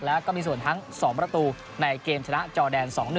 แล้วก็มีส่วนทั้ง๒ประตูในเกมชนะจอแดน๒๑